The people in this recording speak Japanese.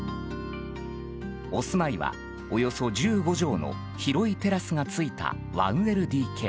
お住まいは、およそ１５畳の広いテラスが付いた１ＬＤＫ。